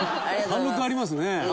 貫禄ありますね。